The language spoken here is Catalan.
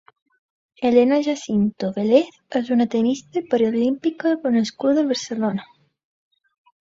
Elena Jacinto Vélez és una tennista paralímpica nascuda a Barcelona.